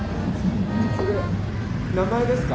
それ名前ですか？